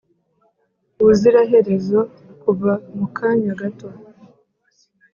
ubuziraherezo kuva mu kanya gato,